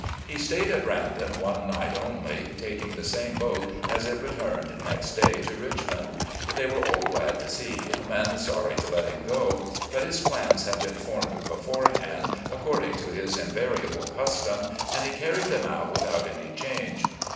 He stayed at "Brandon" one night only, taking the same boat as it returned next day to Richmond. They were all glad to see him and sorry to let him go, but his plans had been formed before hand, according to his invariable custom, and he carried them out without any change.